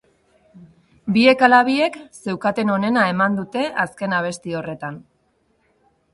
Biek ala biek zeukaten onena eman dute azken abesti horretan.